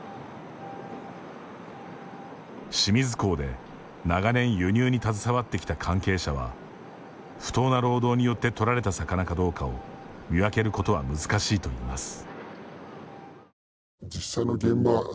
清水港で長年輸入に携わってきた関係者は不当な労働によって取られた魚かどうかを見分けることは難しいといいます。